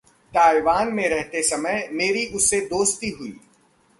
Taiwan में रहते समय मेरी उससे दोस्ती हुई।